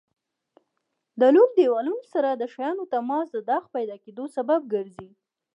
د لمد دېوالونو سره د شیانو تماس د داغ پیدا کېدو سبب ګرځي.